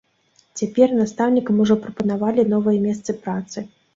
Цяпер настаўнікам ужо прапанавалі новыя месцы працы.